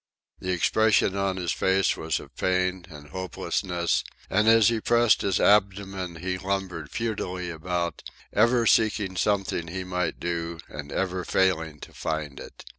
The expression on his face was of pain and hopelessness, and as he pressed his abdomen he lumbered futilely about, ever seeking something he might do and ever failing to find it.